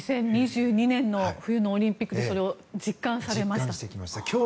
２０２２年の冬のオリンピックでそれを実感されましたか。